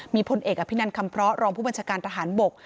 มีพลเอกอภินันคำเพราะรองผู้บัญชาการทหารบก